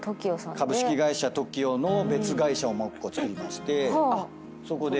株式会社ＴＯＫＩＯの別会社をもう１個つくりましてそこで。